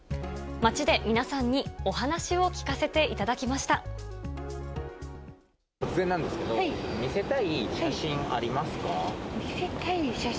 街で皆さんにお話を聞かせて突然なんですけど、見せたい写真、あります！